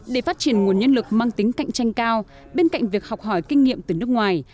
để phát triển nguồn nhân lực mang tính cạnh tranh cao bên cạnh việc học hỏi kinh nghiệm từ nước ngoài